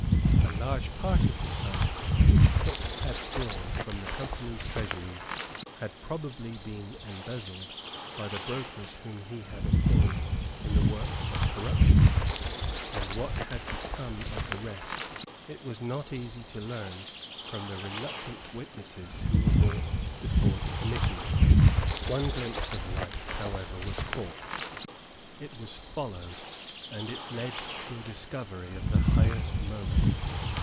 A large part of the sum which Cook had drawn from the Company's treasury had probably been embezzled by the brokers whom he had employed in the work of corruption; and what had become of the rest it was not easy to learn from the reluctant witnesses who were brought before the committee. One glimpse of light however was caught; it was followed; and it led to a discovery of the highest moment.